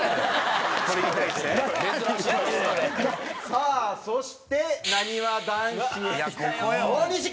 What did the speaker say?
さあそしてなにわ男子大西君！